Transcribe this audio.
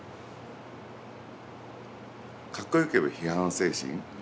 かっこよく言えば批判精神。